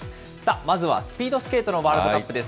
まずはスピードスケートのワールドカップです。